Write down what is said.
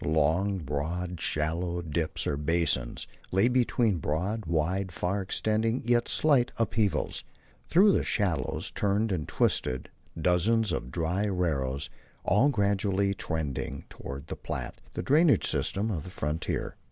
Long, broad, shallow dips or basins lay between broad, wide, far extending, yet slight, upheavals. Through the shallows turned and twisted dozens of dry arroyos, all gradually trending toward the Platte, the drainage system of the frontier.